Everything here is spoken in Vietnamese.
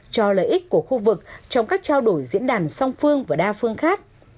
cho lợi ích của khu vực trong các trao đổi diễn đàn song phương và đa phương khác